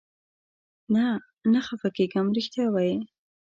نه، نه خفه کېږم، رښتیا وایې؟